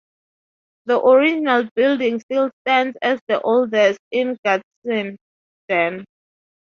The original building still stands as the oldest in Gadsden.